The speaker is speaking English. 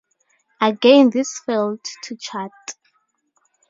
Again this failed to chart.